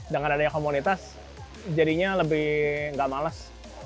dengan adanya komunitas jadinya lebih nggak males